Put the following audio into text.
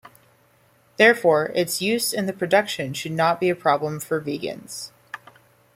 Therefore, its use in the production should not be a problem for vegans.